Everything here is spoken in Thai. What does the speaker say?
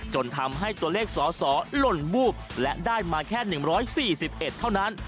จนทำให้ตัวเลขสอสอหล่นวูบและได้มาแค่๑๔๑เท่านั้น